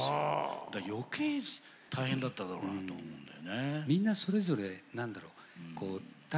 だから余計大変だっただろうなと思うんだよね。